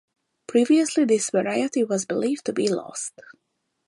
Previously this variety was believed to be lost.